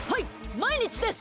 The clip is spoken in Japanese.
毎日です！